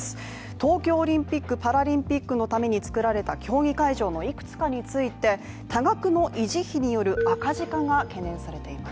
東京オリンピックパラリンピックのために作られた競技会場のいくつかについて多額の維持費による赤字化が懸念されています